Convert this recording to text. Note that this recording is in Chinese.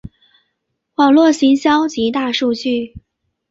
网路行销及大数据